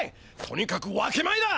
とにかく分け前だ！